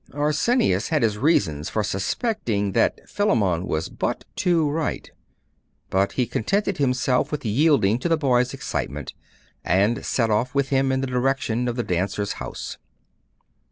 Arsenius had his reasons for suspecting that Philammon was but too right. But he contented himself with yielding to the boy's excitement, and set off with him in the direction of the dancer's house.